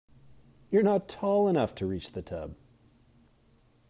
You're not tall enough to reach the tub!